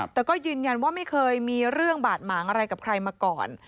แต่ก็ยืนยันว่าไม่เคยมีเรื่องบาดหมางอะไรกับใครมาก่อน